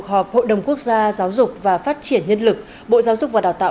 hội đồng quốc gia giáo dục và phát triển nhân lực bộ giáo dục và đào tạo